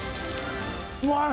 うまい！